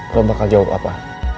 lo bakal jawab apa